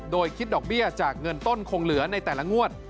โดยคิดดอกเบี้ยจากเงินต้นคงเหลือในแต่ละงวด